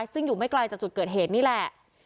ซึ่งอยู่ไม่ไกลจากจุดเกิดเหตุนี่แหละ